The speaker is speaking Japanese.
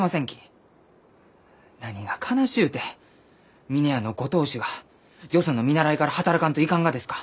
何が悲しゅうて峰屋のご当主がよその見習いから働かんといかんがですか？